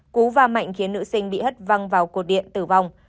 cú va mạnh khiến nữ sinh bị hất văng vào cột điện tử vong